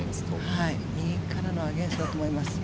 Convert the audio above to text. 右からのアゲンストだと思います。